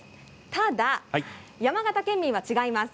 ただ、山形県民は違います。